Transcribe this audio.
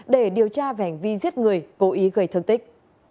để điều tra vẻnh vi giết người cố ý gây thương tích